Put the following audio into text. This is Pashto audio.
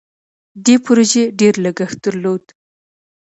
دې پروژې ډیر لګښت درلود.